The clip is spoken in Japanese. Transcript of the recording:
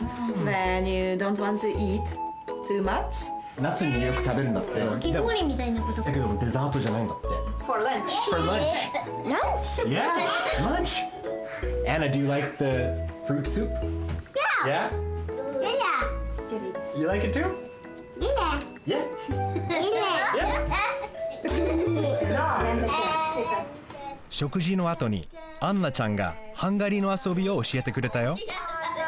しょくじのあとにアンナちゃんがハンガリーのあそびをおしえてくれたよ